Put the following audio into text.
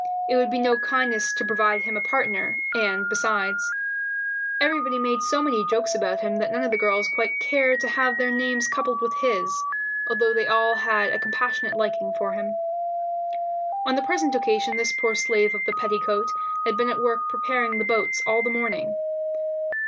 It would be no kindness to provide him a partner, and, besides, everybody made so many jokes about him that none of the girls quite cared to have their names coupled with his, although they all had a compassionate liking for him. On the present occasion this poor slave of the petticoat had been at work preparing the boats all the morning.